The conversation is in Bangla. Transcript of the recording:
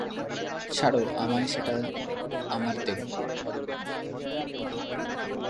ছাড়ো আমায় সেটা আমরা দেখবো।